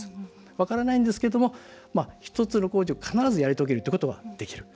分からないんですけれども１つの工事を必ずやり遂げるってことができる。